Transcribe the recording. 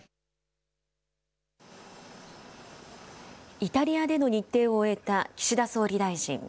イタリアでの日程を終えた岸田総理大臣。